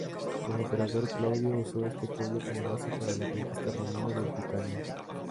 El emperador Claudio usó este pueblo como base para la conquista romana de Britania.